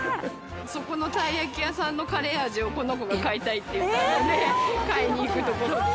あそこのたい焼き屋さんのカレー味をこの子が買いたいって言ったので買いに行くところです。